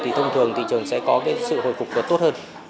thì thông thường thị trường sẽ có sự hồi phục tốt hơn